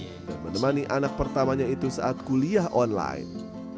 dan menemani anak pertamanya itu saat kuliah online